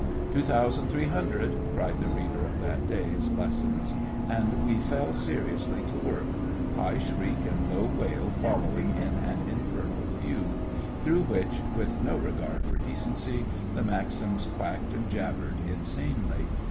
'Two thousand three hundred,' cried the reader of that day's lessons, and we fell seriously to work; high shriek and low wail following in an infernal fugue, through which, with no regard for decency, the Maxims quacked and jabbered insanely.